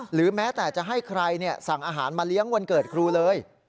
หรือแม้แต่จะให้ใครสั่งอาหารมาเลี้ยงวันเกิดครูเลย